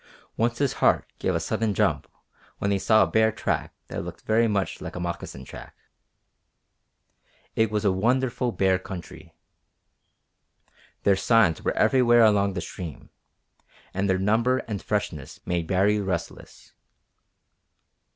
Once his heart gave a sudden jump when he saw a bear track that looked very much like a moccasin track. It was a wonderful bear country. Their signs were everywhere along the stream, and their number and freshness made Baree restless.